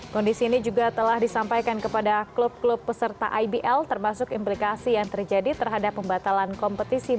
kondisi ini juga telah disampaikan kepada klub klub peserta ibl termasuk implikasi yang terjadi terhadap pembatalan kompetisi